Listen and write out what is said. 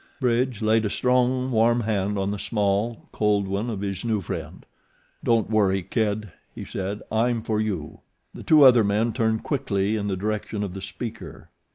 Bridge laid a strong, warm hand on the small, cold one of his new friend. "Don't worry, Kid," he said. "I'm for you." The two other men turned quickly in the direction of the speaker.